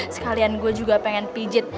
sekalian gue juga pengen pijit